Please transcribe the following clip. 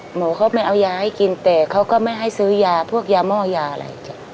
หมอเขาไม่เอายาให้กินแต่เขาก็ไม่ให้ซื้อยาพวกยาหม้อยาอะไร